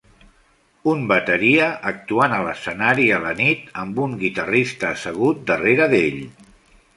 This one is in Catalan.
Un bateria actuant a l'escenari a la nit amb un guitarrista assegut darrere d'ell